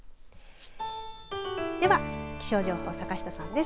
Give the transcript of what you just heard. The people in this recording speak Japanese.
では気象情報、坂下さんです。